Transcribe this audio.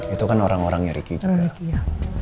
itu kan orang orangnya ricky juga